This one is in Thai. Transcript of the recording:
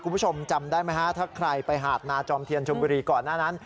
คุณผู้ชมจำได้ไหมฮะถ้าใครไปหาดนาจอมเทียนชมบุรีก่อนหน้านั้น